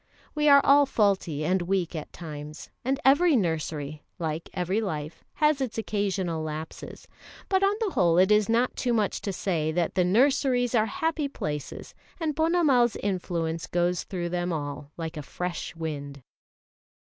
We are all faulty and weak at times, and every nursery, like every life, has its occasional lapses; but on the whole it is not too much to say that the nurseries are happy places, and Ponnamal's influence goes through them all like a fresh wind.